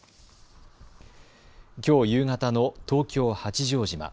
きょう夕方の東京八丈島。